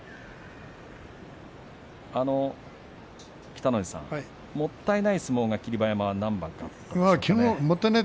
北の富士さんもったいない相撲が霧馬山は何番かありましたね。